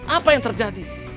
apa yang terjadi